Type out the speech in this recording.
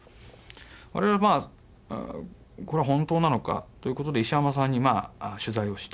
我々はこれは本当なのかということで石山さんにまあ取材をした。